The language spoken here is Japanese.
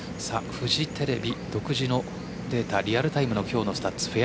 フジテレビ独自のデータリアルタイムの今日のスタッツ。